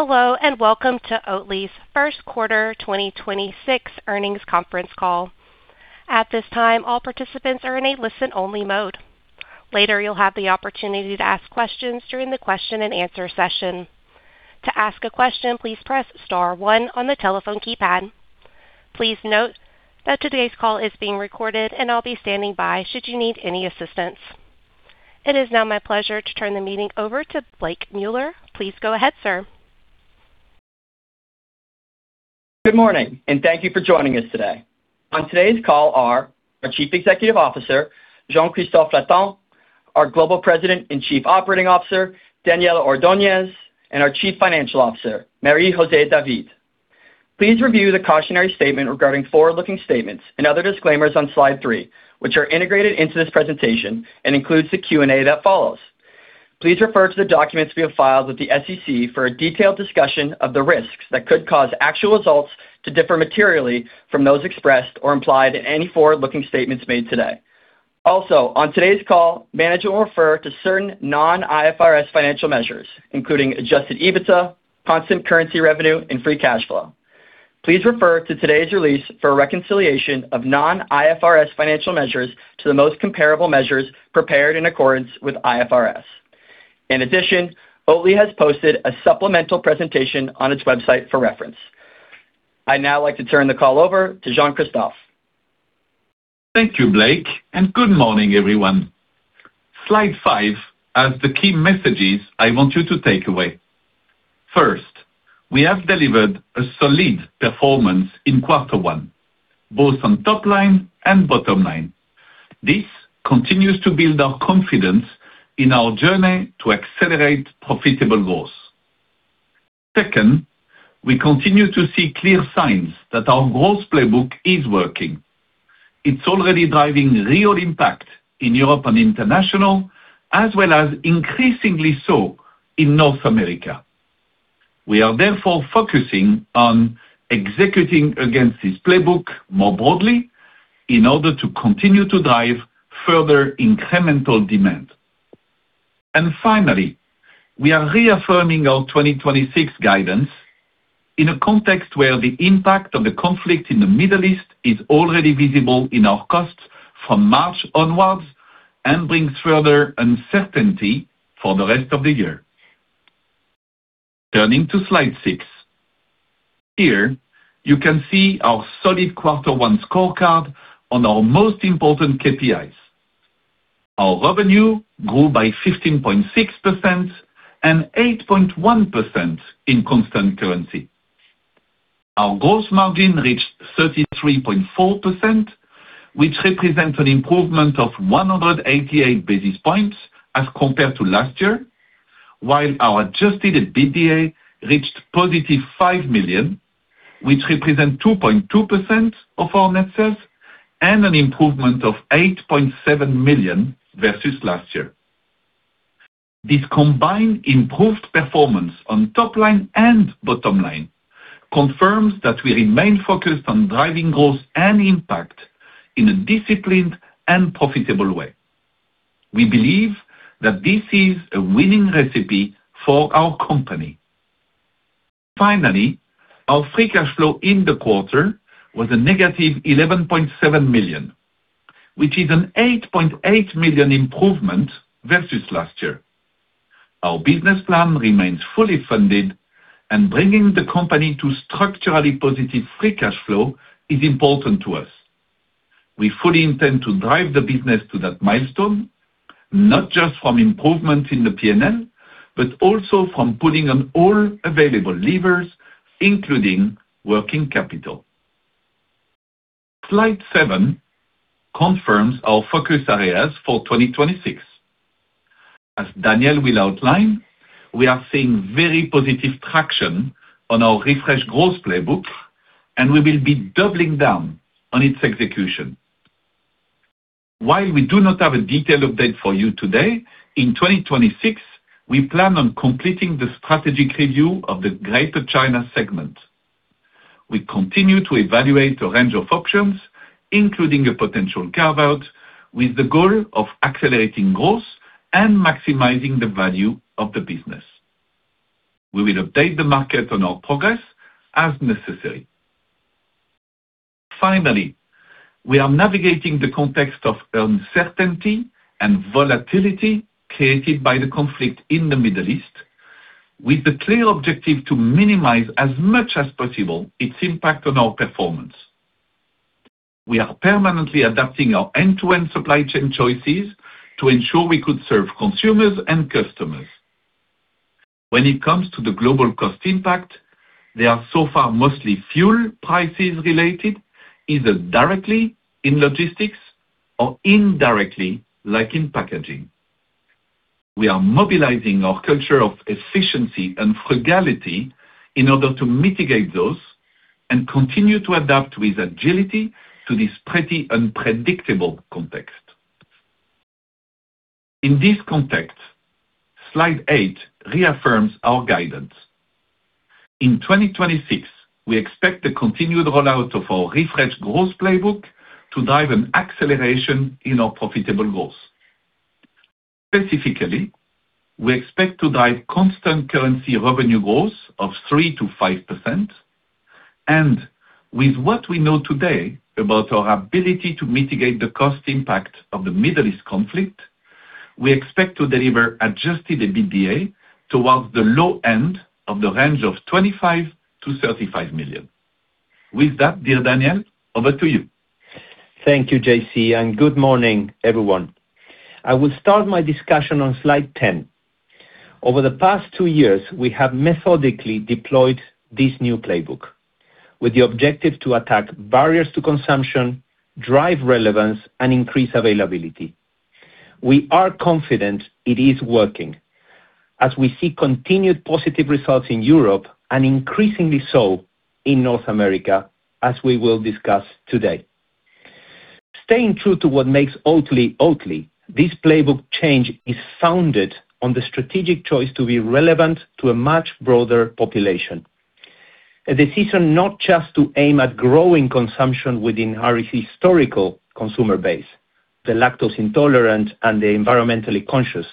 Hello, welcome to Oatly's first quarter 2026 earnings conference call. At this time, all participants are in a listen-only mode. Later, you'll have the opportunity to ask questions during the question and answer session. To ask a question, please press star one on the telephone keypad. Please note that today's call is being recorded, and I'll be standing by should you need any assistance. It is now my pleasure to turn the meeting over to Blake Miller. Please go ahead, sir. Good morning, thank you for joining us today. On today's call are our Chief Executive Officer, Jean-Christophe Flatin, our Global President and Chief Operating Officer, Daniel Ordoñez, and our Chief Financial Officer, Marie-José David. Please review the cautionary statement regarding forward-looking statements and other disclaimers on slide three, which are integrated into this presentation and includes the Q&A that follows. Please refer to the documents we have filed with the SEC for a detailed discussion of the risks that could cause actual results to differ materially from those expressed or implied in any forward-looking statements made today. Also, on today's call, management will refer to certain non-IFRS financial measures, including Adjusted EBITDA, constant currency revenue, and free cash flow. Please refer to today's release for a reconciliation of non-IFRS financial measures to the most comparable measures prepared in accordance with IFRS. In addition, Oatly has posted a supplemental presentation on its website for reference. I'd now like to turn the call over to Jean-Christophe. Thank you, Blake, and good morning, everyone. Slide five has the key messages I want you to take away. First, we have delivered a solid performance in quarter one, both on top line and bottom line. This continues to build our confidence in our journey to accelerate profitable growth. Second, we continue to see clear signs that our growth playbook is working. It's already driving real impact in Europe and International, as well as increasingly so in North America. We are therefore focusing on executing against this playbook more broadly in order to continue to drive further incremental demand. Finally, we are reaffirming our 2026 guidance in a context where the impact of the conflict in the Middle East is already visible in our costs from March onwards and brings further uncertainty for the rest of the year. Turning to slide six. Here, you can see our solid quarter one scorecard on our most important KPIs. Our revenue grew by 15.6% and 8.1% in constant currency. Our gross margin reached 33.4%, which represents an improvement of 188 basis points as compared to last year, while our Adjusted EBITDA reached 5 million, which represents 2.2% of our net sales and an improvement of 8.7 million versus last year. This combined improved performance on top line and bottom line confirms that we remain focused on driving growth and impact in a disciplined and profitable way. We believe that this is a winning recipe for our company. Finally, our free cash flow in the quarter was a -11.7 million, which is an 8.8 million improvement versus last year. Our business plan remains fully funded and bringing the company to structurally positive free cash flow is important to us. We fully intend to drive the business to that milestone, not just from improvements in the P&L, but also from pulling on all available levers, including working capital. Slide seven, confirms our focus areas for 2026. As Daniel will outline, we are seeing very positive traction on our refreshed growth playbook, and we will be doubling down on its execution. While we do not have a detailed update for you today, in 2026, we plan on completing the strategic review of the Greater China Segment. We continue to evaluate a range of options, including a potential carve-out, with the goal of accelerating growth and maximizing the value of the business. We will update the market on our progress as necessary. Finally, we are navigating the context of uncertainty and volatility created by the conflict in the Middle East with the clear objective to minimize as much as possible its impact on our performance. We are permanently adapting our end-to-end supply chain choices to ensure we could serve consumers and customers. When it comes to the global cost impact, they are so far mostly fuel prices related, either directly in logistics or indirectly, like in packaging. We are mobilizing our culture of efficiency and frugality in order to mitigate those and continue to adapt with agility to this pretty unpredictable context. In this context, slide eight, reaffirms our guidance. In 2026, we expect the continued rollout of our refreshed growth playbook to drive an acceleration in our profitable growth. Specifically, we expect to drive constant currency revenue growth of 3%-5%, and with what we know today about our ability to mitigate the cost impact of the Middle East conflict, we expect to deliver Adjusted EBITDA towards the low end of the range of 25 million-35 million. With that, dear Daniel, over to you. Thank you, JC, and good morning, everyone. I will start my discussion on slide 10. Over the past two years, we have methodically deployed this new playbook with the objective to attack barriers to consumption, drive relevance, and increase availability. We are confident it is working as we see continued positive results in Europe and increasingly so in North America, as we will discuss today. Staying true to what makes Oatly Oatly, this playbook change is founded on the strategic choice to be relevant to a much broader population. A decision not just to aim at growing consumption within our historical consumer base, the lactose intolerant and the environmentally conscious,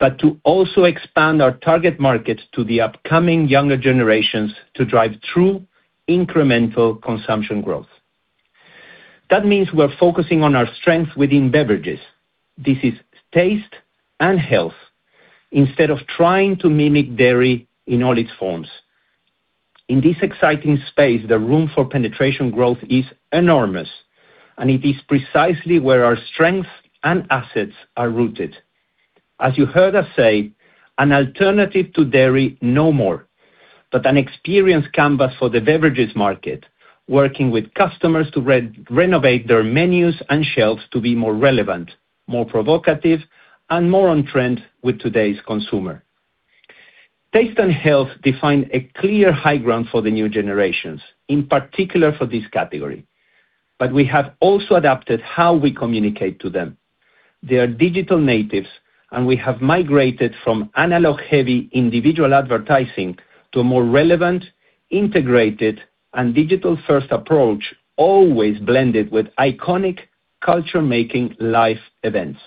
but to also expand our target market to the upcoming younger generations to drive true incremental consumption growth. That means we're focusing on our strength within beverages. This is taste and health instead of trying to mimic dairy in all its forms. In this exciting space, the room for penetration growth is enormous, and it is precisely where our strengths and assets are rooted. As you heard us say, an alternative to dairy no more, but an experience canvas for the beverages market, working with customers to re-renovate their menus and shelves to be more relevant, more provocative, and more on trend with today's consumer. Taste and health define a clear high ground for the new generations, in particular for this category. We have also adapted how we communicate to them. They are digital natives, we have migrated from analog-heavy individual advertising to a more relevant, integrated, and digital-first approach, always blended with iconic culture making life events.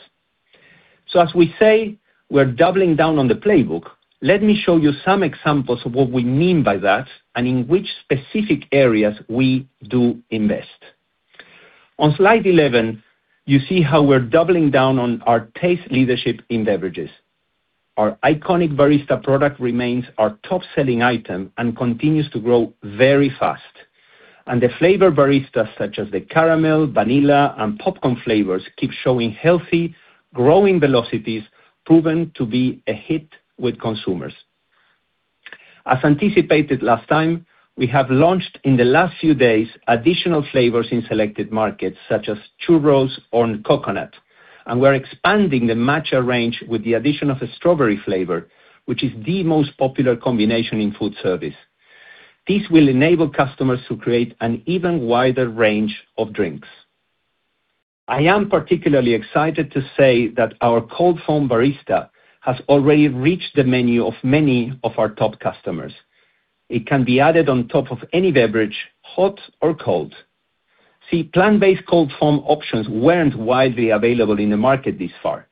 As we say, we're doubling down on the playbook. Let me show you some examples of what we mean by that and in which specific areas we do invest. On slide 11, you see how we're doubling down on our taste leadership in beverages. Our iconic Barista Edition remains our top-selling item and continues to grow very fast. The flavor baristas such as the caramel, vanilla, and popcorn flavors, keep showing healthy, growing velocities proven to be a hit with consumers. As anticipated last time, we have launched in the last few days, additional flavors in selected markets such as churros or coconut, and we're expanding the matcha range with the addition of a strawberry flavor, which is the most popular combination in food service. This will enable customers to create an even wider range of drinks. I am particularly excited to say that our Cold Foam Barista has already reached the menu of many of our top customers. It can be added on top of any beverage, hot or cold. Plant-based cold foam options weren't widely available in the market this far.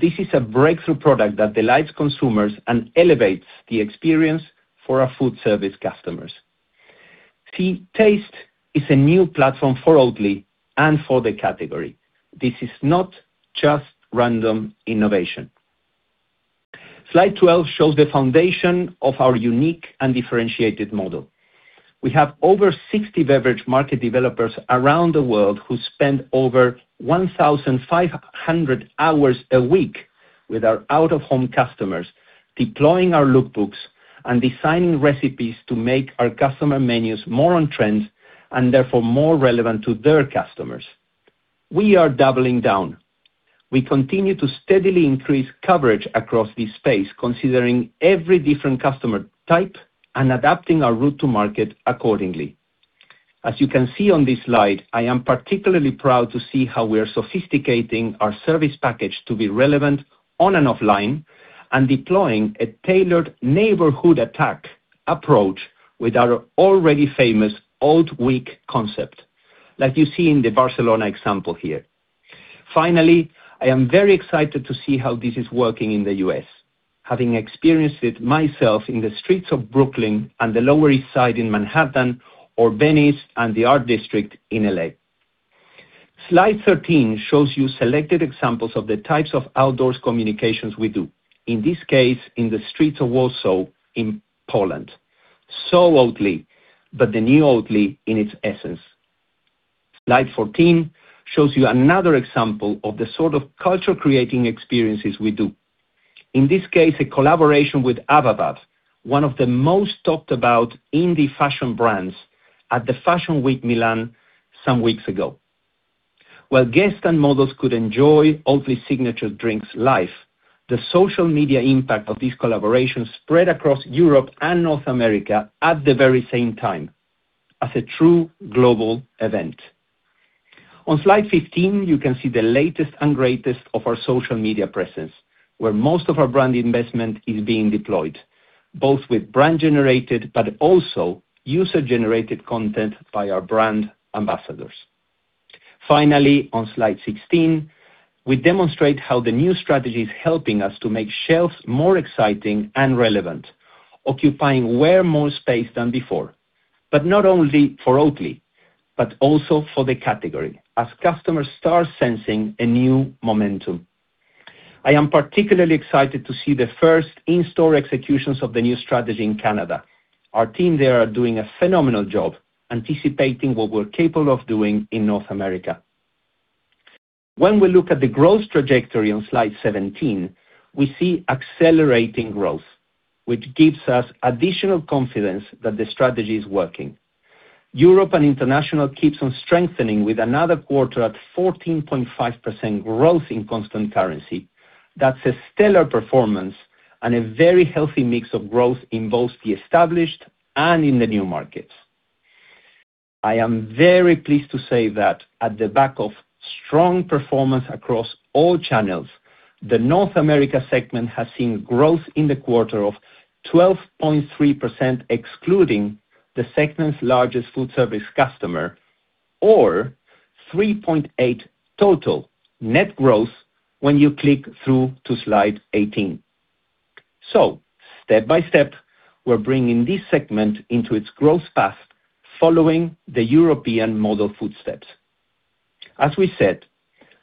This is a breakthrough product that delights consumers and elevates the experience for our food service customers. Taste is a new platform for Oatly and for the category. This is not just random innovation. Slide 12, shows the foundation of our unique and differentiated model. We have over 60 beverage market developers around the world who spend over 1,500 hours a week with our out-of-home customers, deploying our look books and designing recipes to make our customer menus more on trend and therefore more relevant to their customers. We are doubling down. We continue to steadily increase coverage across this space, considering every different customer type and adapting our route to market accordingly. As you can see on this slide, I am particularly proud to see how we are sophisticating our service package to be relevant on and offline, and deploying a tailored neighborhood attack approach with our already famous Oat Week concept, like you see in the Barcelona example here. Finally, I am very excited to see how this is working in the U.S., having experienced it myself in the streets of Brooklyn and the Lower East Side in Manhattan, or Venice and the Art District in L.A. Slide 13 shows you selected examples of the types of outdoors communications we do. In this case, in the streets of Warsaw in Poland. Oatly, but the new Oatly in its essence. Slide 14, shows you another example of the sort of culture creating experiences we do. In this case, a collaboration with AVAVAV, one of the most talked about indie fashion brands at the Milan Fashion Week some weeks ago. While guests and models could enjoy Oatly signature drinks live, the social media impact of this collaboration spread across Europe and North America at the very same time as a true global event. On slide 15, you can see the latest and greatest of our social media presence, where most of our brand investment is being deployed. Both with brand generated, but also user generated content by our brand ambassadors. Finally, on slide 16, we demonstrate how the new strategy is helping us to make shelves more exciting and relevant, occupying way more space than before, but not only for Oatly, but also for the category, as customers start sensing a new momentum. I am particularly excited to see the first in-store executions of the new strategy in Canada. Our team there are doing a phenomenal job anticipating what we're capable of doing in North America. When we look at the growth trajectory on slide 17, we see accelerating growth, which gives us additional confidence that the strategy is working. Europe and International keeps on strengthening with another quarter at 14.5% growth in constant currency. That's a stellar performance and a very healthy mix of growth in both the established and in the new markets. I am very pleased to say that at the back of strong performance across all channels, the North America segment has seen growth in the quarter of 12.3%, excluding the segment's largest food service customer, or 3.8% total net growth when you click through to slide 18. Step by step, we're bringing this segment into its growth path, following the European model footsteps. As we said,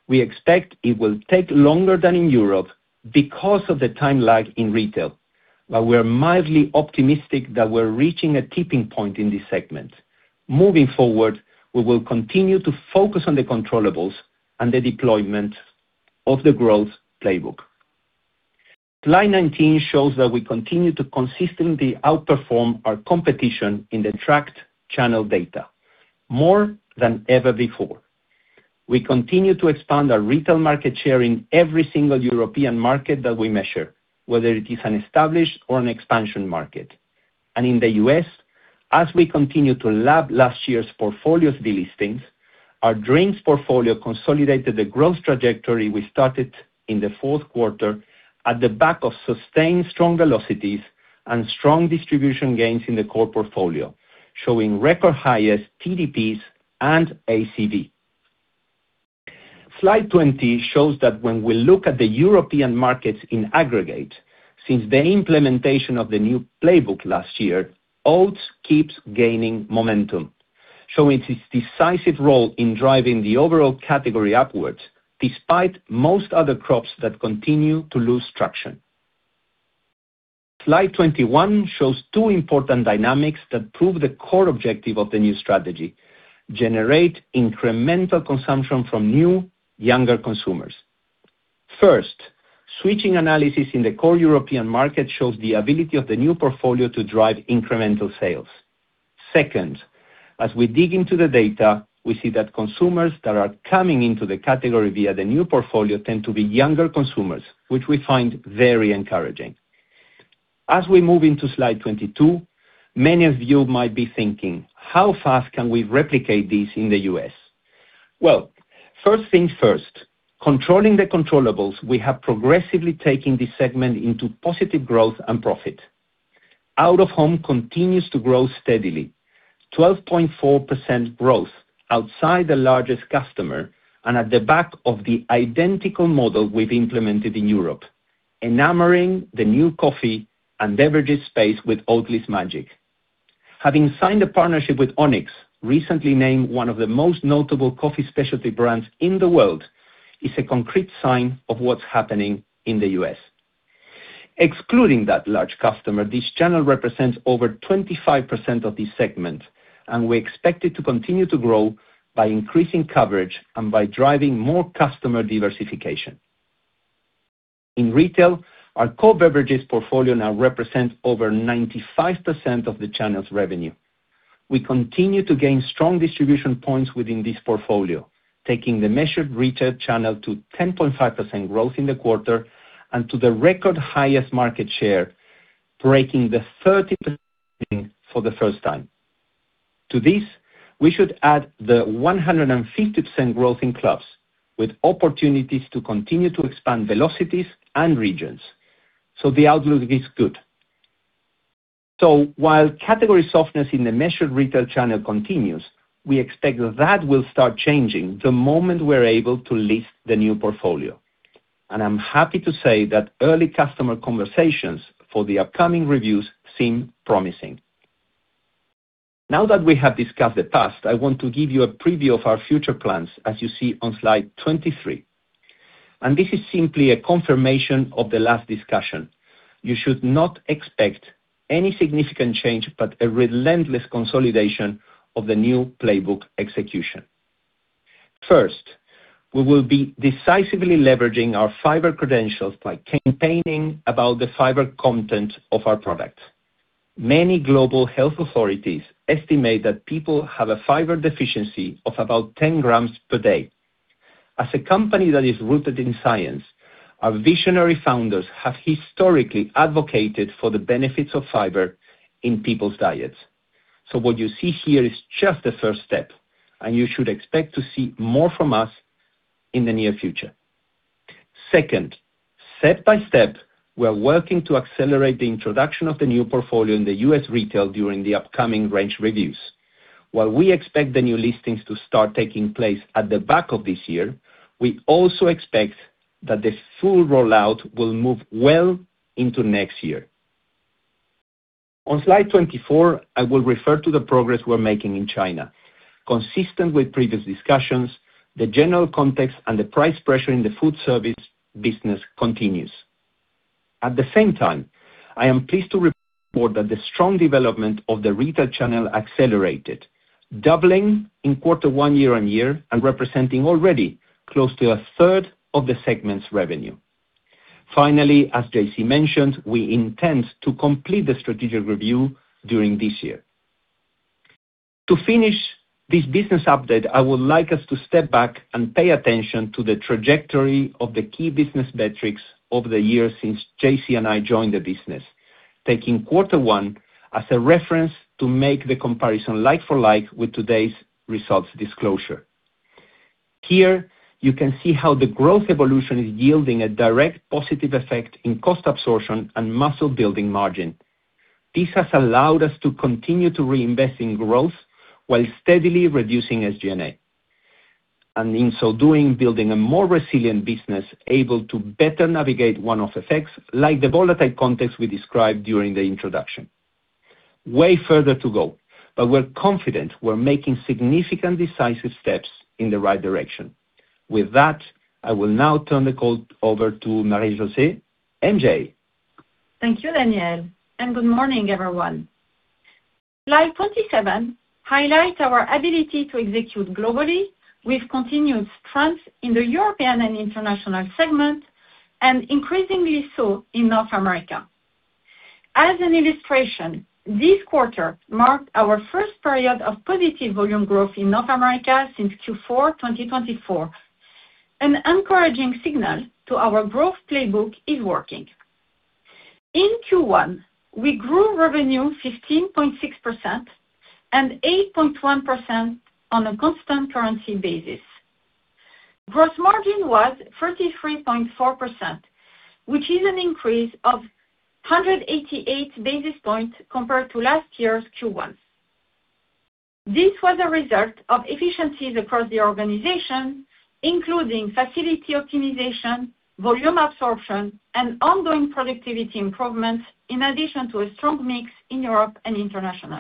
we expect it will take longer than in Europe because of the time lag in retail. We're mildly optimistic that we're reaching a tipping point in this segment. Moving forward, we will continue to focus on the controllables and the deployment of the growth playbook. Slide 19, shows that we continue to consistently outperform our competition in the tracked channel data more than ever before. We continue to expand our retail market share in every single European market that we measure, whether it is an established or an expansion market. In the U.S., as we continue to lap last year's portfolio's delistings, our drinks portfolio consolidated the growth trajectory we started in the fourth quarter at the back of sustained strong velocities and strong distribution gains in the core portfolio, showing record highest TDPs and ACV. Slide 20 shows that when we look at the European markets in aggregate, since the implementation of the new playbook last year, oats keeps gaining momentum, showing its decisive role in driving the overall category upwards, despite most other crops that continue to lose traction. Slide 21, shows two important dynamics that prove the core objective of the new strategy: generate incremental consumption from new, younger consumers. First, switching analysis in the core European market shows the ability of the new portfolio to drive incremental sales. Second, as we dig into the data, we see that consumers that are coming into the category via the new portfolio tend to be younger consumers, which we find very encouraging. As we move into slide 22, many of you might be thinking, "How fast can we replicate this in the U.S.?" Well, first things first. Controlling the controllables, we have progressively taken this segment into positive growth and profit. Out of home continues to grow steadily. 12.4% growth outside the largest customer and at the back of the identical model we've implemented in Europe, enamoring the new coffee and beverages space with Oatly's magic. Having signed a partnership with Onyx, recently named one of the most notable coffee specialty brands in the world, is a concrete sign of what's happening in the U.S. Excluding that large customer, this channel represents over 25% of this segment, and we expect it to continue to grow by increasing coverage and by driving more customer diversification. In retail, our core beverages portfolio now represent over 95% of the channel's revenue. We continue to gain strong distribution points within this portfolio, taking the measured retail channel to 10.5% growth in the quarter and to the record highest market share, breaking the 30% for the first time. To this, we should add the 150% growth in clubs, with opportunities to continue to expand velocities and regions, so the outlook is good. While category softness in the measured retail channel continues, we expect that will start changing the moment we're able to list the new portfolio. I'm happy to say that early customer conversations for the upcoming reviews seem promising. Now that we have discussed the past, I want to give you a preview of our future plans, as you see on slide 23. This is simply a confirmation of the last discussion. You should not expect any significant change, but a relentless consolidation of the new playbook execution. First, we will be decisively leveraging our fiber credentials by campaigning about the fiber content of our product. Many global health authorities estimate that people have a fiber deficiency of about 10 grams per day. As a company that is rooted in science, our visionary founders have historically advocated for the benefits of fiber in people's diets. What you see here is just the first step, and you should expect to see more from us in the near future. Second, step by step, we are working to accelerate the introduction of the new portfolio in the U.S. retail during the upcoming range reviews. While we expect the new listings to start taking place at the back of this year, we also expect that the full rollout will move well into next year. On slide 24, I will refer to the progress we're making in China. Consistent with previous discussions, the general context and the price pressure in the food service business continues. At the same time, I am pleased to report that the strong development of the retail channel accelerated, doubling in quarter one year-over-year and representing already close to a third of the segment's revenue. Finally, as JC mentioned, we intend to complete the strategic review during this year. To finish this business update, I would like us to step back and pay attention to the trajectory of the key business metrics over the years since JC and I joined the business, taking quarter one as a reference to make the comparison like for like with today's results disclosure. Here, you can see how the growth evolution is yielding a direct positive effect in cost absorption and muscle building margin. This has allowed us to continue to reinvest in growth while steadily reducing SG&A. In so doing, building a more resilient business able to better navigate one-off effects like the volatile context we described during the introduction. Way further to go. We're confident we're making significant decisive steps in the right direction. With that, I will now turn the call over to Marie-José. MJ. Thank you, Daniel. Good morning, everyone. Slide 27, highlights our ability to execute globally with continued strength in the Europe and International segment, and increasingly so in North America. As an illustration, this quarter marked our first period of positive volume growth in North America since Q4 2024, an encouraging signal to our growth playbook is working. In Q1, we grew revenue 15.6% and 8.1% on a constant currency basis. Gross margin was 33.4%, which is an increase of 188 basis points compared to last year's Q1. This was a result of efficiencies across the organization, including facility optimization, volume absorption, and ongoing productivity improvements, in addition to a strong mix in Europe and International.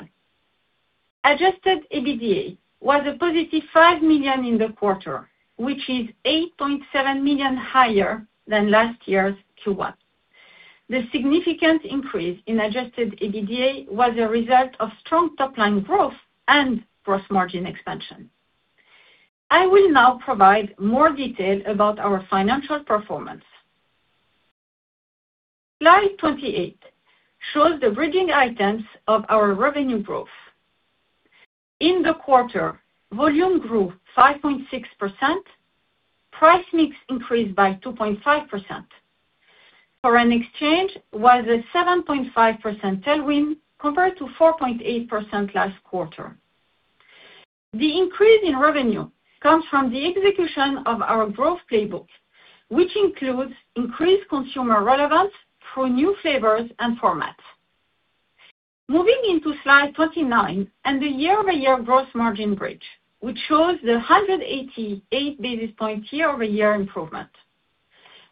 Adjusted EBITDA was a positive 5 million in the quarter, which is 8.7 million higher than last year's Q1. The significant increase in Adjusted EBITDA was a result of strong top-line growth and gross margin expansion. I will now provide more detail about our financial performance. Slide 28 shows the bridging items of our revenue growth. In the quarter, volume grew 5.6%, price mix increased by 2.5%. Foreign exchange was a 7.5% tailwind compared to 4.8% last quarter. The increase in revenue comes from the execution of our growth playbook, which includes increased consumer relevance through new flavors and formats. Moving into slide 29, and the year-over-year gross margin bridge, which shows the 188 basis point year-over-year improvement.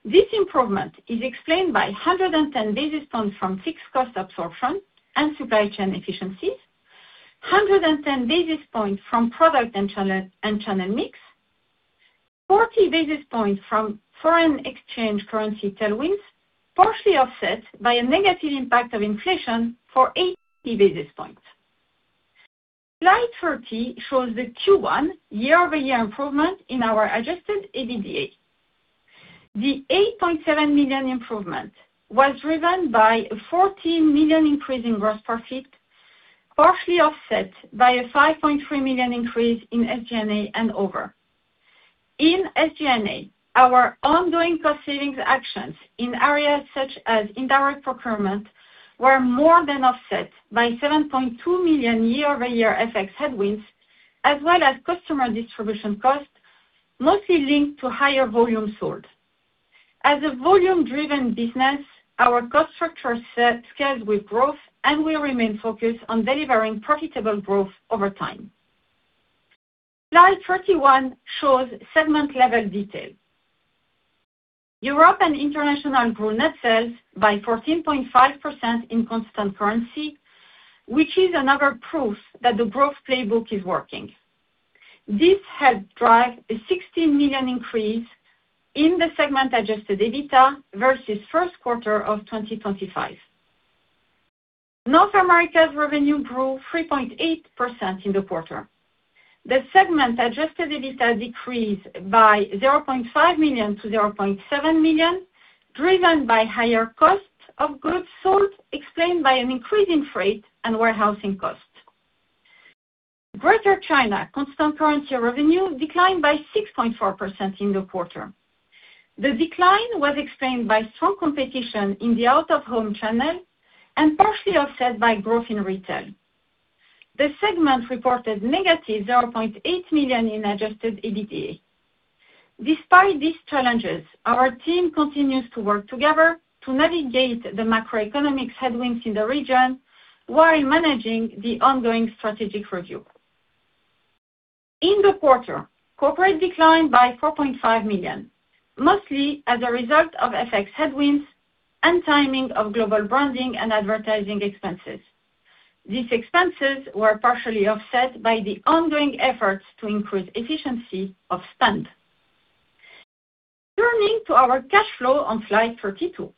This improvement is explained by 110 basis points from fixed cost absorption and supply chain efficiencies, 110 basis points from product and channel mix, 40 basis points from foreign exchange currency tailwinds, partially offset by a negative impact of inflation for 80 basis points. Slide 30, shows the Q1 year-over-year improvement in our Adjusted EBITDA. The 8.7 million improvement was driven by a 14 million increase in gross profit, partially offset by a 5.3 million increase in SG&A and other. In SG&A, our ongoing cost savings actions in areas such as indirect procurement were more than offset by 7.2 million year-over-year FX headwinds, as well as customer distribution costs, mostly linked to higher volume sold. As a volume-driven business, our cost structure scales with growth, and we remain focused on delivering profitable growth over time. Slide 31, shows segment-level detail. Europe and International grew net sales by 14.5% in constant currency, which is another proof that the growth playbook is working. This helped drive a 16 million increase in the segment Adjusted EBITDA versus first quarter of 2025. North America's revenue grew 3.8% in the quarter. The segment Adjusted EBITDA decreased by 0.5 million-0.7 million, driven by higher costs of goods sold, explained by an increase in freight and warehousing costs. Greater China constant currency revenue declined by 6.4% in the quarter. The decline was explained by strong competition in the out-of-home channel and partially offset by growth in retail. The segment reported negative 0.8 million in Adjusted EBITDA. Despite these challenges, our team continues to work together to navigate the macroeconomic headwinds in the region while managing the ongoing strategic review. In the quarter, corporate declined by 4.5 million, mostly as a result of FX headwinds and timing of global branding and advertising expenses. These expenses were partially offset by the ongoing efforts to improve efficiency of spend. Turning to our cash flow on slide 32.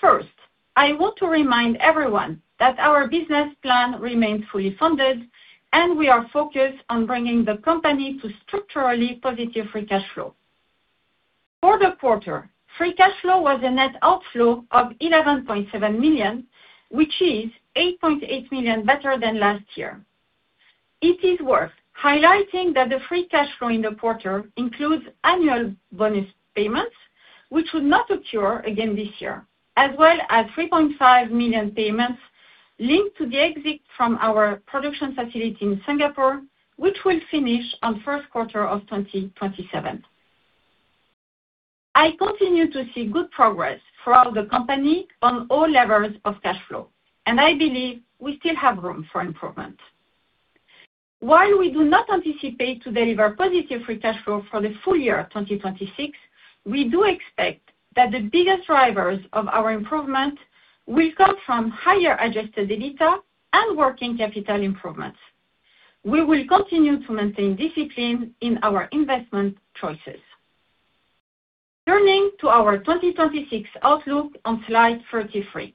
First, I want to remind everyone that our business plan remains fully funded, and we are focused on bringing the company to structurally positive free cash flow. For the quarter, free cash flow was a net outflow of 11.7 million, which is 8.8 million better than last year. It is worth highlighting that the free cash flow in the quarter includes annual bonus payments, which would not occur again this year, as well as 3.5 million payments linked to the exit from our production facility in Singapore, which will finish on first quarter of 2027. I continue to see good progress throughout the company on all levels of cash flow, and I believe we still have room for improvement. While we do not anticipate to deliver positive free cash flow for the full year 2026, we do expect that the biggest drivers of our improvement will come from higher Adjusted EBITDA and working capital improvements. We will continue to maintain discipline in our investment choices. Turning to our 2026 outlook on slide 33.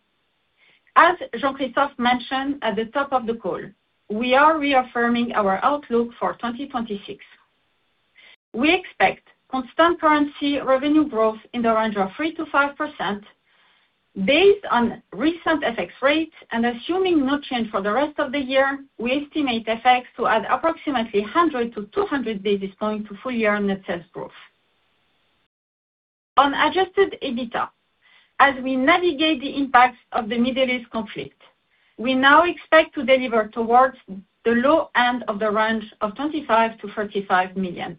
As Jean-Christophe mentioned at the top of the call, we are reaffirming our outlook for 2026. We expect constant currency revenue growth in the range of 3%-5%. Based on recent FX rates and assuming no change for the rest of the year, we estimate FX to add approximately 100-200 basis points to full-year net sales growth. On Adjusted EBITDA, as we navigate the impacts of the Middle East conflict, we now expect to deliver towards the low end of the range of 25 million-35 million.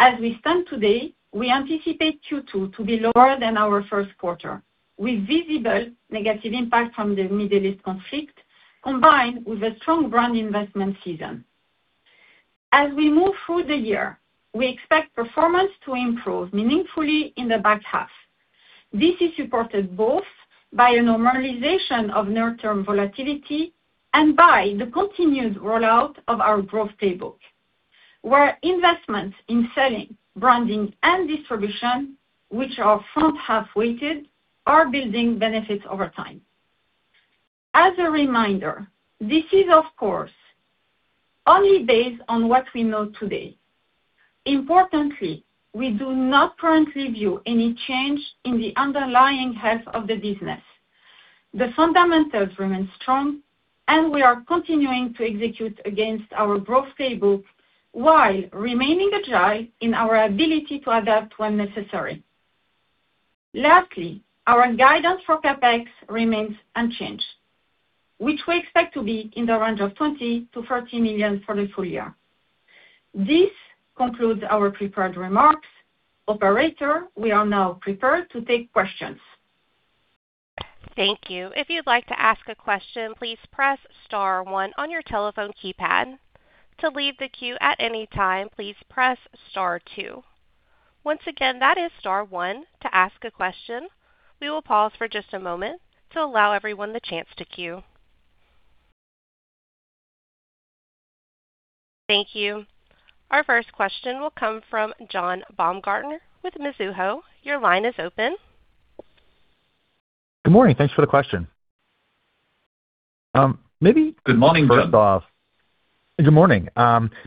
As we stand today, we anticipate Q2 to be lower than our first quarter, with visible negative impact from the Middle East conflict combined with a strong brand investment season. As we move through the year, we expect performance to improve meaningfully in the back half. This is supported both by a normalization of near-term volatility and by the continued rollout of our growth playbook, where investments in selling, branding, and distribution, which are front-half weighted, are building benefits over time. As a reminder, this is, of course, only based on what we know today. Importantly, we do not currently view any change in the underlying health of the business. The fundamentals remain strong, and we are continuing to execute against our growth playbook while remaining agile in our ability to adapt when necessary. Lastly, our guidance for CapEx remains unchanged, which we expect to be in the range of 20 million-30 million for the full year. This concludes our prepared remarks. Operator, we are now prepared to take questions. Thank you. If you like to a ask question press star one on your telephone keypad to leave the queue at anytime please press star two. Once again, star one to ask question we will pause just a moment to allow a chance everyone on the queue. Thank you. Our first question will come from John Baumgartner with Mizuho. Your line is open. Good morning. Thanks for the question. Good morning, John. First off. Good morning.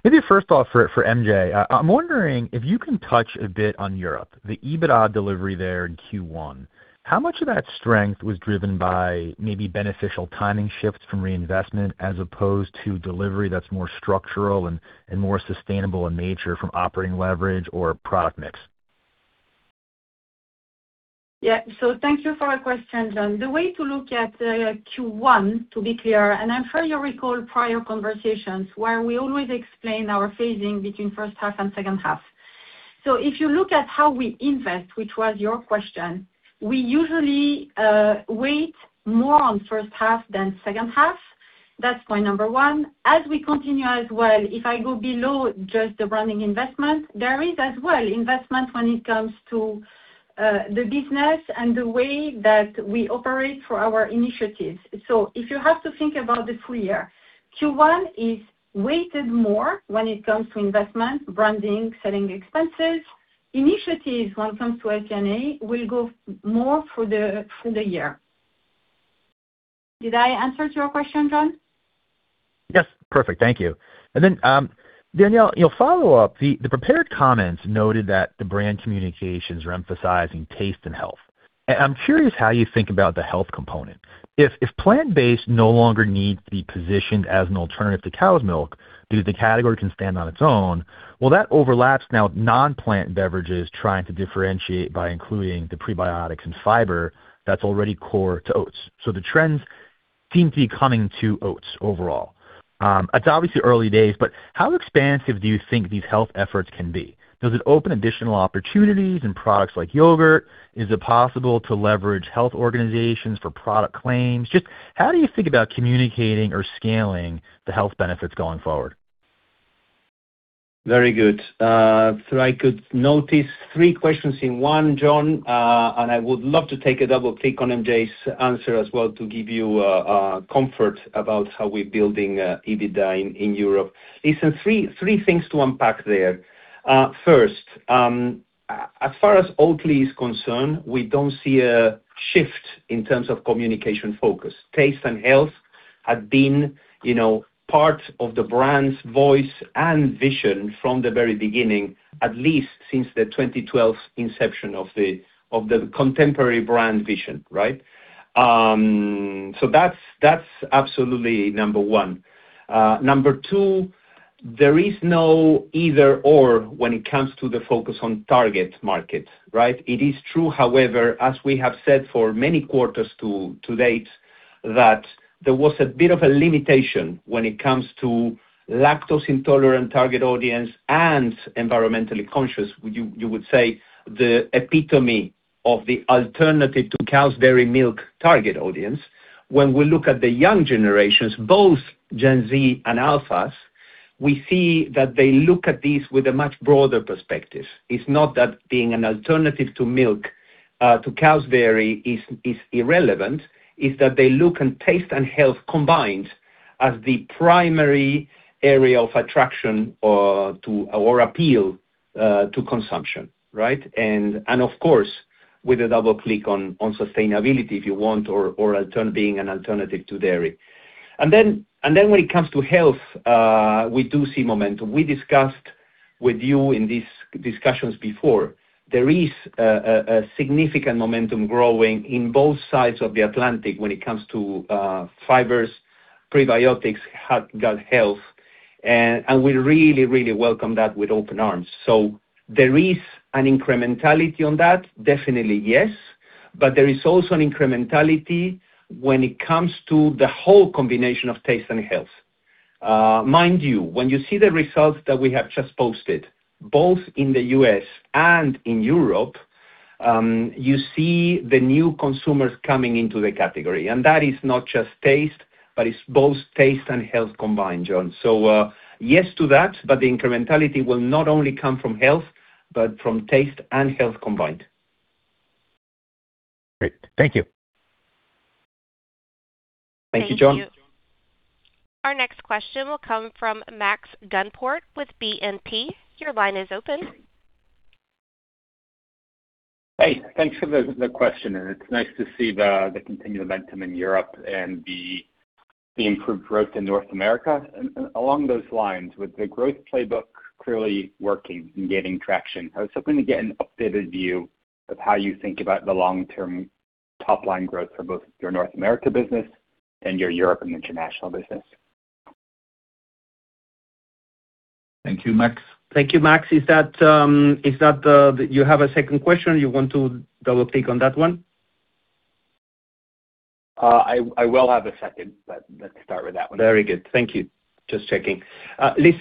Maybe first off for MJ, I'm wondering if you can touch a bit on Europe, the EBITDA delivery there in Q1. How much of that strength was driven by maybe beneficial timing shifts from reinvestment as opposed to delivery that's more structural and more sustainable in nature from operating leverage or product mix? Yeah. Thank you for the question, John. The way to look at Q1, to be clear, and I'm sure you recall prior conversations where we always explain our phasing between first half and second half. If you look at how we invest, which was your question, we usually wait more on first half than second half. That's point number one. As we continue as well, if I go below just the branding investment, there is as well investment when it comes to the business and the way that we operate for our initiatives. If you have to think about the full year, Q1 is weighted more when it comes to investment, branding, selling expenses. Initiatives, when it comes to SGA, will go more through the year. Did I answer to your question, John? Yes. Perfect. Thank you. Then, Daniel, you know, follow-up. The prepared comments noted that the brand communications are emphasizing taste and health. I'm curious how you think about the health component. If plant-based no longer needs to be positioned as an alternative to cow's milk due to the category can stand on its own, well, that overlaps now with non-plant beverages trying to differentiate by including the prebiotics and fiber that's already core to oats. The trends seem to be coming to oats overall. It's obviously early days, but how expansive do you think these health efforts can be? Does it open additional opportunities in products like yogurt? Is it possible to leverage health organizations for product claims? Just how do you think about communicating or scaling the health benefits going forward? Very good. I could notice three questions in one, John, and I would love to take a double click on MJ's answer as well to give you comfort about how we're building EBITDA in Europe. Listen, three things to unpack there. First, as far as Oatly is concerned, we don't see a shift in terms of communication focus. Taste and health have been, you know, part of the brand's voice and vision from the very beginning, at least since the 2012 inception of the contemporary brand vision, right? That's absolutely number one. Number two, there is no either/or when it comes to the focus on target market, right? It is true, however, as we have said for many quarters to date, that there was a bit of a limitation when it comes to lactose intolerant target audience and environmentally conscious, you would say, the epitome of the alternative to cow's dairy milk target audience. When we look at the young generations, both Gen Z and Alphas, we see that they look at this with a much broader perspective. It's not that being an alternative to milk, to cow's dairy is irrelevant, it's that they look at taste and health combined as the primary area of attraction, to or appeal, to consumption, right? Of course, with a double click on sustainability, if you want, or being an alternative to dairy. When it comes to health, we do see momentum. We discussed with you in these discussions before. There is a significant momentum growing in both sides of the Atlantic when it comes to fibers, prebiotics, heart, gut health, and we really welcome that with open arms. There is an incrementality on that, definitely yes. There is also an incrementality when it comes to the whole combination of taste and health. Mind you, when you see the results that we have just posted, both in the U.S. and in Europe, you see the new consumers coming into the category. That is not just taste, but it's both taste and health combined, John. Yes to that, but the incrementality will not only come from health, but from taste and health combined. Great. Thank you. Thank you, John. Thank you. Our next question will come from Max Gumport with BNP. Your line is open. Hey, thanks for the question, and it's nice to see the continued momentum in Europe and the improved growth in North America. Along those lines, with the growth playbook clearly working and gaining traction, I was hoping to get an updated view of how you think about the long-term top line growth for both your North America business and your Europe and International business. Thank you, Max. Thank you, Max. Is that, you have a second question you want to double-click on that one? I will have a second, but let's start with that one. Very good. Thank you. Just checking. Let me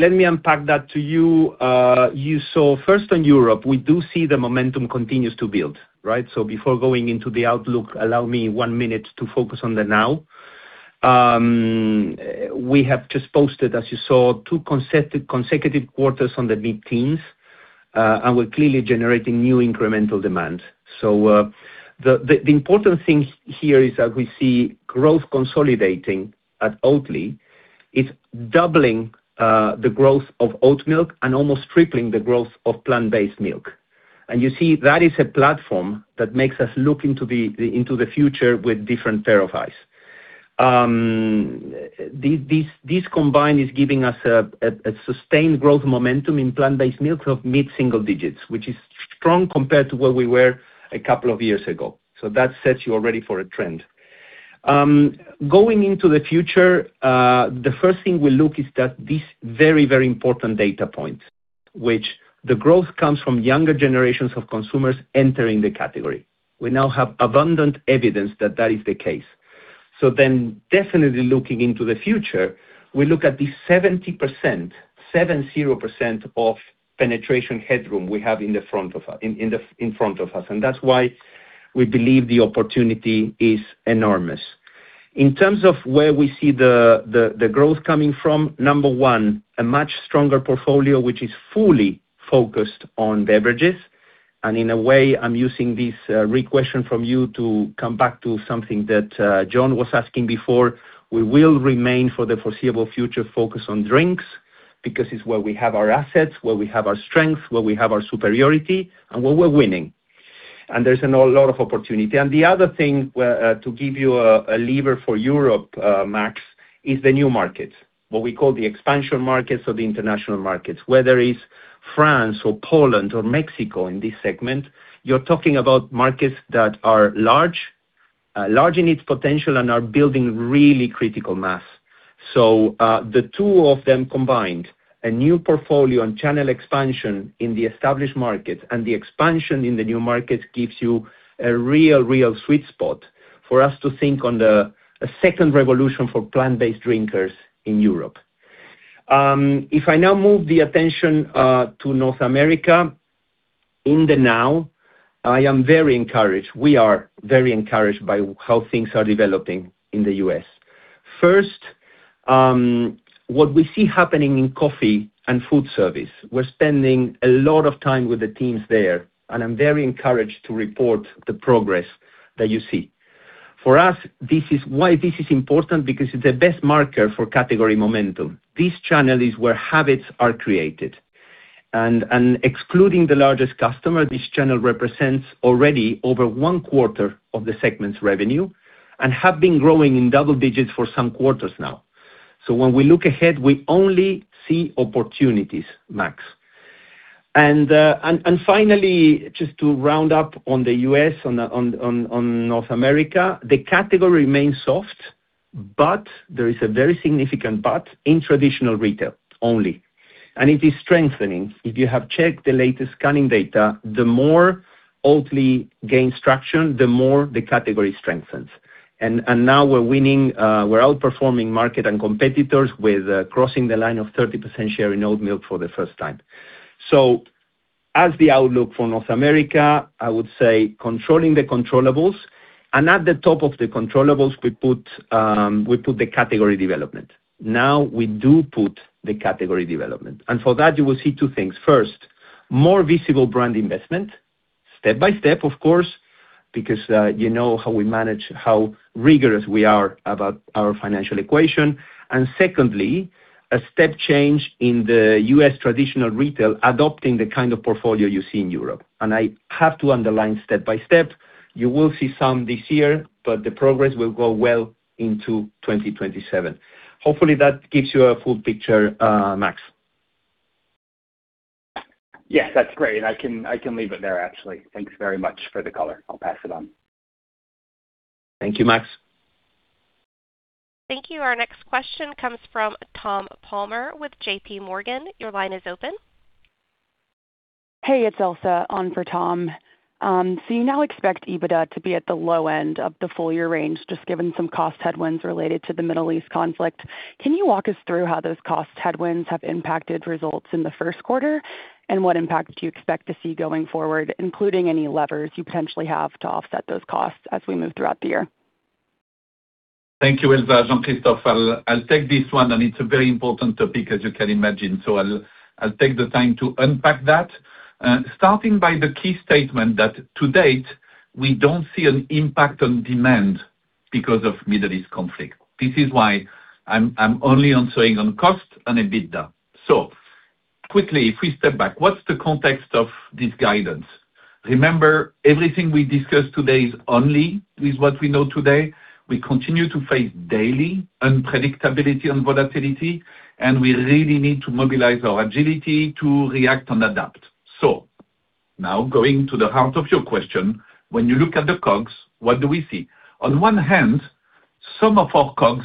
unpack that to you. You saw first in Europe, we do see the momentum continues to build, right? Before going into the outlook, allow me one minute to focus on the now. We have just posted, as you saw, two consecutive quarters on the mid-teens, and we're clearly generating new incremental demand. The important thing here is that we see growth consolidating at Oatly. It's doubling the growth of oat milk and almost tripling the growth of plant-based milk. You see that is a platform that makes us look into the future with different pair of eyes. This combined is giving us a sustained growth momentum in plant-based milk of mid-single digits, which is strong compared to where we were a couple of years ago. That sets you already for a trend. Going into the future, the first thing we look is that this very important data point, which the growth comes from younger generations of consumers entering the category. We now have abundant evidence that that is the case. Definitely looking into the future, we look at the 70% of penetration headroom we have in front of us. That's why we believe the opportunity is enormous. In terms of where we see the growth coming from, number one, a much stronger portfolio, which is fully focused on beverages. In a way, I'm using this question from you to come back to something that John was asking before. We will remain for the foreseeable future focused on drinks because it's where we have our assets, where we have our strength, where we have our superiority, and where we're winning. There's a whole lot of opportunity. The other thing, to give you a lever for Europe, Max, is the new markets, what we call the expansion markets or the international markets. Whether it's France or Poland or Mexico in this segment, you're talking about markets that are large in its potential and are building really critical mass. The two of them combined, a new portfolio and channel expansion in the established markets and the expansion in the new markets gives you a real sweet spot for us to think on the, a second revolution for plant-based drinkers in Europe. If I now move the attention to North America, in the now, I am very encouraged. We are very encouraged by how things are developing in the U.S. First, what we see happening in coffee and food service, we're spending a lot of time with the teams there, and I'm very encouraged to report the progress that you see. For us, this is why this is important because it's the best marker for category momentum. This channel is where habits are created. Excluding the largest customer, this channel represents already over one quarter of the segment's revenue and have been growing in double digits for some quarters now. When we look ahead, we only see opportunities, Max. Finally, just to round up on the U.S., on North America, the category remains soft, but there is a very significant but in traditional retail only. It is strengthening. If you have checked the latest scanning data, the more Oatly gains traction, the more the category strengthens. Now we're winning, we're outperforming market and competitors with crossing the line of 30% share in oat milk for the first time. As the outlook for North America, I would say controlling the controllables, and at the top of the controllables, we put the category development. We do put the category development. For that, you will see two things. First, more visible brand investment, step by step, of course, because you know how we manage, how rigorous we are about our financial equation. Secondly, a step change in the U.S. traditional retail adopting the kind of portfolio you see in Europe. I have to underline step by step, you will see some this year, but the progress will go well into 2027. Hopefully, that gives you a full picture, Max. Yes, that's great. I can leave it there, actually. Thanks very much for the color. I'll pass it on. Thank you, Max. Thank you. Our next question comes from Thomas Palmer with JPMorgan. Your line is open. Hey, it's Elsa on for Tom. You now expect EBITDA to be at the low end of the full-year range, just given some cost headwinds related to the Middle East conflict. Can you walk us through how those cost headwinds have impacted results in the first quarter? What impact do you expect to see going forward, including any levers you potentially have to offset those costs as we move throughout the year? Thank you, Elsa. Jean-Christophe, I'll take this one. It's a very important topic, as you can imagine. I'll take the time to unpack that. Starting by the key statement that to date, we don't see an impact on demand because of Middle East conflict. This is why I'm only answering on cost and EBITDA. Quickly, if we step back, what's the context of this guidance? Remember, everything we discuss today is only with what we know today. We continue to face daily unpredictability and volatility. We really need to mobilize our agility to react and adapt. Now going to the heart of your question, when you look at the COGS, what do we see? On one hand, some of our COGS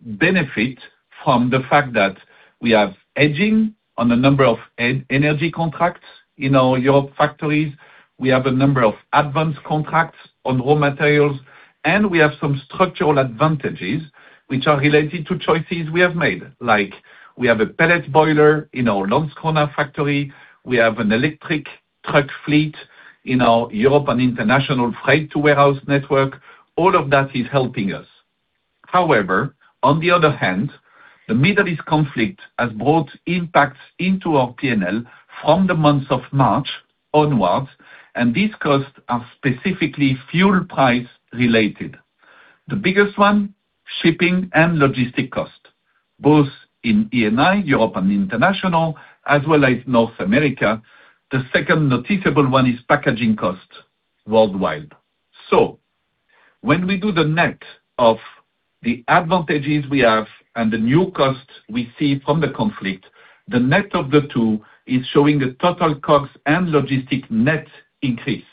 benefit from the fact that we have hedging on a number of energy contracts in our Europe factories. We have a number of advanced contracts on raw materials, and we have some structural advantages which are related to choices we have made, like we have a pellet boiler in our Landskrona factory. We have an electric truck fleet in our Europe and International freight to warehouse network. All of that is helping us. However, on the other hand, the Middle East conflict has brought impacts into our P&L from the months of March onwards, and these costs are specifically fuel price related. The biggest one, shipping and logistic cost, both in E&I, Europe and International, as well as North America. The second noticeable one is packaging cost worldwide. When we do the net of the advantages we have and the new cost we see from the conflict, the net of the two is showing a total COGS and logistic net increase,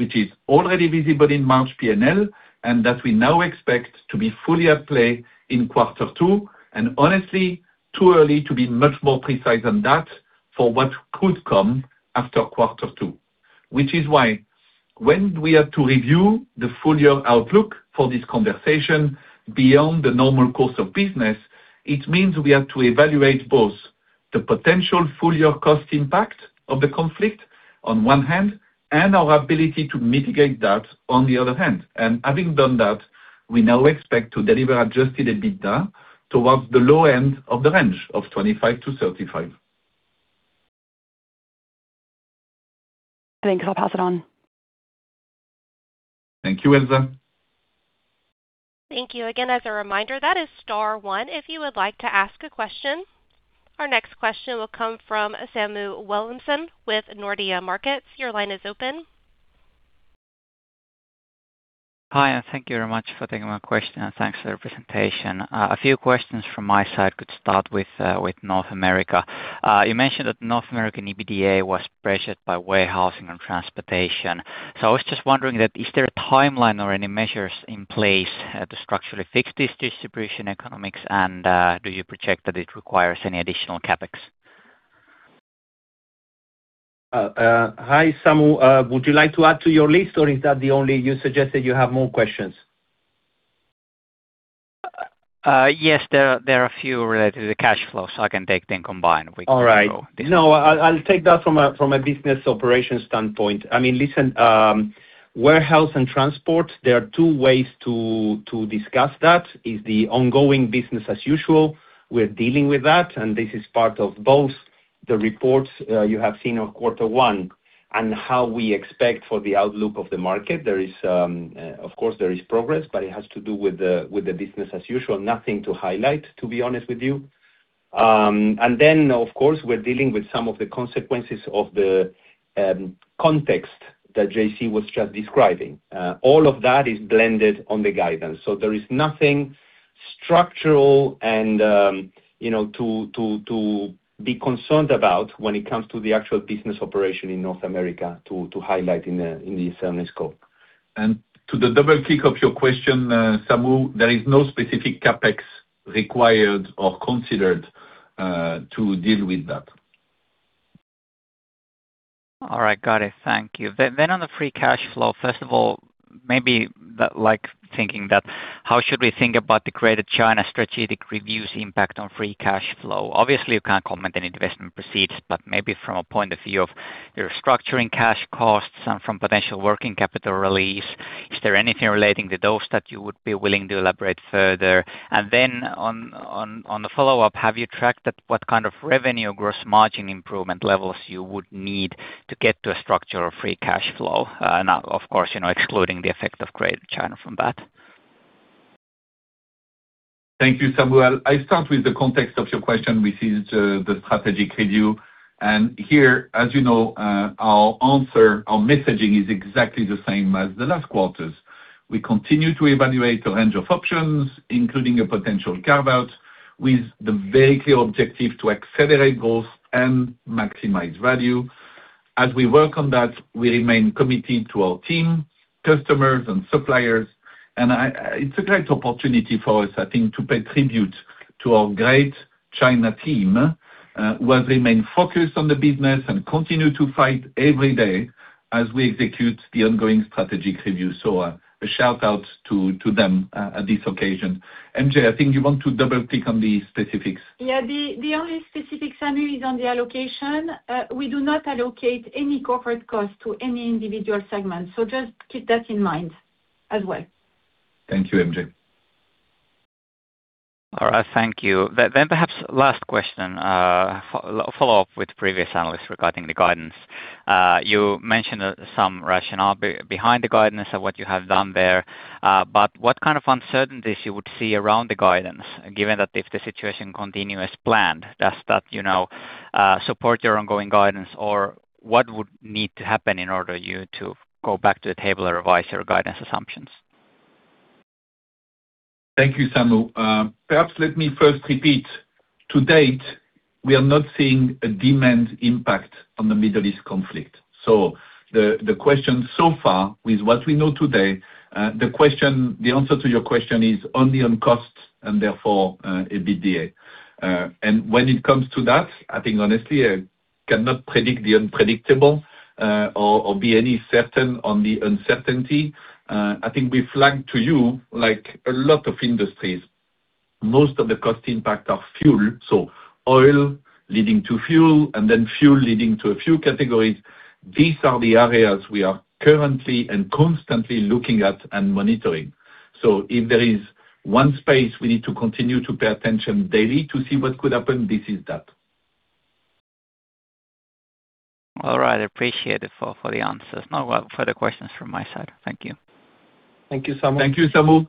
which is already visible in March P&L and that we now expect to be fully at play in quarter two, and honestly, too early to be much more precise than that for what could come after quarter two. Which is why when we are to review the full-year outlook for this conversation beyond the normal course of business, it means we have to evaluate both the potential full-year cost impact of the conflict on one hand and our ability to mitigate that on the other hand. Having done that, we now expect to deliver Adjusted EBITDA towards the low end of the range of 25 million-35 million. Thanks. I'll pass it on. Thank you, Elsa. Thank you again. As a reminder, that is star one if you would like to ask a question. Our next question will come from Samu Wilhelmsson with Nordea Markets. Your line is open. Hi, and thank you very much for taking my question. Thanks for the presentation. A few questions from my side could start with North America. You mentioned that North American EBITDA was pressured by warehousing and transportation. I was just wondering that, is there a timeline or any measures in place to structurally fix this distribution economics? Do you project that it requires any additional CapEx? Hi, Samu. Would you like to add to your list, or is that the only? You suggested you have more questions. Yes, there are a few related to the cash flow, so I can take them combined. All right. No, I'll take that from a business operation standpoint. I mean, listen, warehouse and transport, there are two ways to discuss that, is the ongoing business as usual, we're dealing with that, and this is part of both the reports you have seen on quarter one, and how we expect for the outlook of the market. There is, of course there is progress, but it has to do with the business as usual, nothing to highlight, to be honest with you. Of course, we're dealing with some of the consequences of the context that JC was just describing. All of that is blended on the guidance. There is nothing structural and, you know, to be concerned about when it comes to the actual business operation in North America to highlight in this scope. To the double-click of your question, Samu, there is no specific CapEx required or considered to deal with that. All right. Got it. Thank you. On the free cash flow, first of all, like, how should we think about the Greater China strategic reviews impact on free cash flow? You can't comment any investment proceeds, maybe from a point of view of your structuring cash costs and from potential working capital release, is there anything relating to those that you would be willing to elaborate further? On the follow-up, have you tracked at what kind of revenue gross margin improvement levels you would need to get to a structure of free cash flow? Now, of course, you know, excluding the effect of Greater China from that. Thank you, Samuel. I start with the context of your question, which is the strategic review. Here, as you know, our answer, our messaging is exactly the same as the last quarters. We continue to evaluate a range of options, including a potential carve-out with the very clear objective to accelerate growth and maximize value. As we work on that, we remain committed to our team, customers, and suppliers. I, it's a great opportunity for us, I think, to pay tribute to our great China team, who have remained focused on the business and continue to fight every day as we execute the ongoing strategic review. A shout-out to them at this occasion. MJ, I think you want to double-click on the specifics. Yeah. The only specific, Samu, is on the allocation. We do not allocate any corporate cost to any individual segment, just keep that in mind as well. Thank you, MJ. All right, thank you. Then perhaps last question, follow up with previous analyst regarding the guidance. You mentioned some rationale behind the guidance of what you have done there, what kind of uncertainties you would see around the guidance, given that if the situation continue as planned, does that, you know, support your ongoing guidance? What would need to happen in order you to go back to the table or revise your guidance assumptions? Thank you, Samu. Perhaps let me first repeat. To date, we are not seeing a demand impact on the Middle East conflict. The question so far with what we know today, the answer to your question is only on costs, and therefore, EBITDA. When it comes to that, I think honestly, I cannot predict the unpredictable, or be any certain on the uncertainty. I think we flagged to you, like a lot of industries, most of the cost impact are fuel, so oil leading to fuel, and then fuel leading to a few categories. These are the areas we are currently and constantly looking at and monitoring. If there is one space we need to continue to pay attention daily to see what could happen, this is that. All right. Appreciated for the answers. No other further questions from my side. Thank you. Thank you, Samu. Thank you, Samu.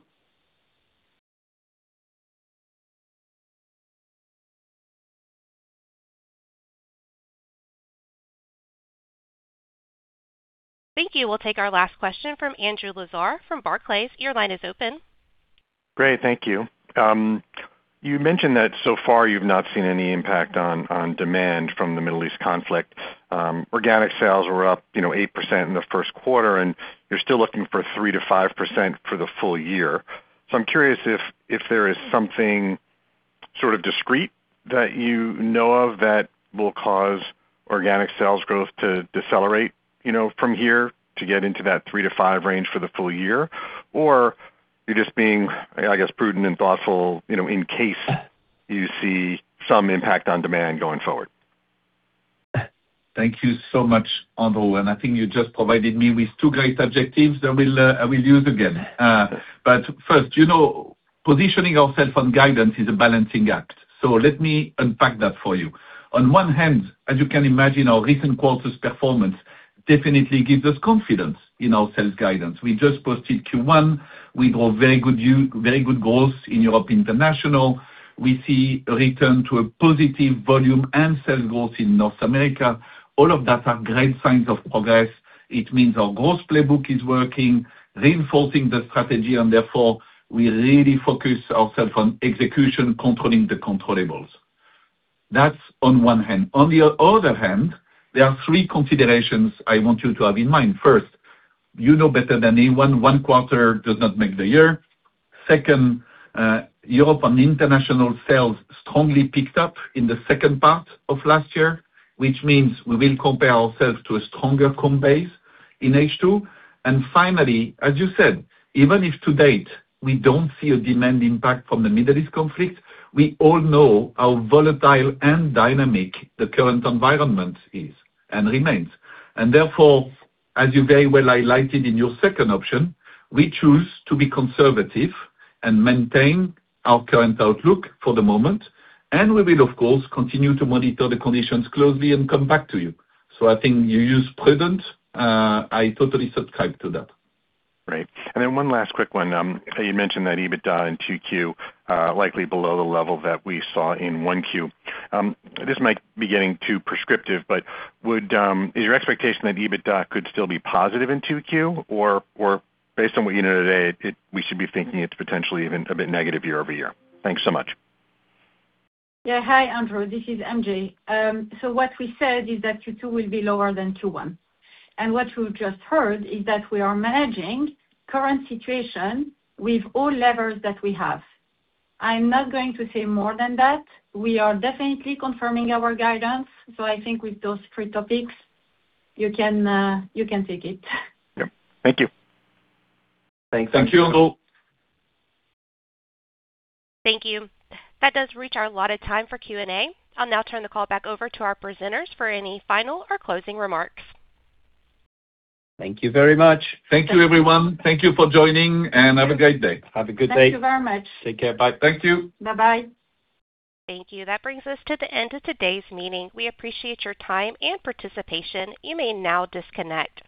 Thank you. We'll take our last question from Andrew Lazar from Barclays. Your line is open. Great. Thank you. You mentioned that so far you've not seen any impact on demand from the Middle East conflict. Organic sales were up, you know, 8% in the first quarter, and you're still looking for 3%-5% for the full year. I'm curious if there is something sort of discrete that you know of that will cause organic sales growth to decelerate, you know, from here to get into that 3%-5% range for the full year, or you're just being, I guess, prudent and thoughtful, you know, in case you see some impact on demand going forward? Thank you so much, Andrew. I think you just provided me with two great objectives that I will use again. You know, positioning ourself on guidance is a balancing act. Let me unpack that for you. On one hand, as you can imagine, our recent quarter's performance definitely gives us confidence in our sales guidance. We just posted Q1. We grow very good growth in Europe International. We see a return to a positive volume and sales growth in North America. All of that are great signs of progress. It means our growth playbook is working, reinforcing the strategy. We really focus ourself on execution, controlling the controllables. That's on one hand. On the other hand, there are three considerations I want you to have in mind. First, you know better than anyone, one quarter does not make the year. Second, Europe and international sales strongly picked up in the second part of last year, which means we will compare ourselves to a stronger comp base in H2. Finally, as you said, even if to date we don't see a demand impact from the Middle East conflict, we all know how volatile and dynamic the current environment is and remains. Therefore, as you very well highlighted in your second option, we choose to be conservative and maintain our current outlook for the moment, and we will of course, continue to monitor the conditions closely and come back to you. I think you use prudent, I totally subscribe to that. Great. One last quick one. You mentioned that EBITDA in Q2 likely below the level that we saw in 1 Q. This might be getting too prescriptive, but would Is your expectation that EBITDA could still be positive in Q2? Or based on what you know today, we should be thinking it's potentially even a bit negative year-over-year. Thanks so much. Yeah. Hi, Andrew. This is MJ. What we said is that Q2 will be lower than Q1. What you just heard is that we are managing current situation with all levers that we have. I'm not going to say more than that. We are definitely confirming our guidance. I think with those three topics, you can, you can take it. Yep. Thank you. Thanks, Andrew. Thank you. That does reach our allotted time for Q&A. I will now turn the call back over to our presenters for any final or closing remarks. Thank you very much. Thank you, everyone. Thank you for joining, and have a great day. Have a good day. Thank you very much. Take care. Bye. Thank you. Bye-bye. Thank you. That brings us to the end of today's meeting. We appreciate your time and participation. You may now disconnect.